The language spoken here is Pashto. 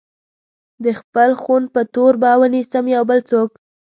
د خپل خون په تور به ونيسم يو بل څوک